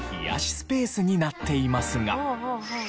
スペースになっていますが。